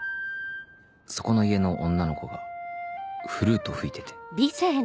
そこの家の女の子がフルート吹いてて。